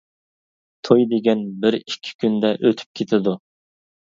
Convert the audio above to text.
توي دېگەن بىر ئىككى كۈندە ئۆتۈپ كېتىدۇ.